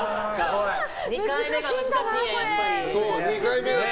２回目が難しいんや、やっぱり。